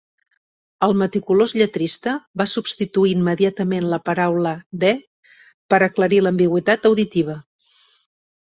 El meticulós lletrista va substituir immediatament la paraula "the" per a aclarir l'ambigüitat auditiva.